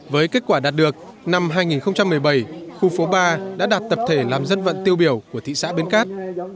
với kết quả đạt được năm hai nghìn một mươi bảy khu phố ba đã đạt tập thể làm dân vận tiêu biểu của thị xã bến cát